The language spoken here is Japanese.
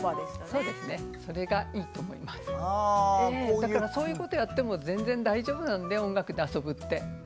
だからそういうことやっても全然大丈夫なので音楽で遊ぶって。